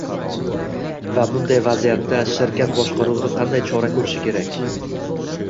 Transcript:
Va bunday vaziyatda shirkat boshqaruvi qanday chora ko‘rishi kerak?